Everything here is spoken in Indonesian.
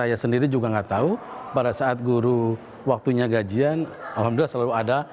saya sendiri juga nggak tahu pada saat guru waktunya gajian alhamdulillah selalu ada